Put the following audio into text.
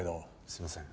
すいません。